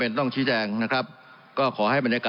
ไปฟังเสียงท่านแล้วกันค่ะ